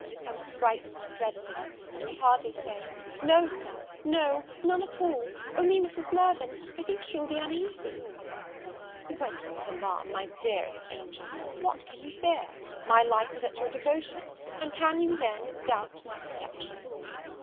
I was frightened dreadfully, and could hardly say, "No, Sir, no, none at all: only Mrs. Mirvan, I think she will be uneasy." "Whence this alarm, my dearest angel? What can you fear? my life is at your devotion, and can you, then, doubt my protection?"